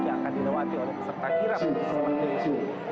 yang akan dilewati oleh peserta kirap seperti itu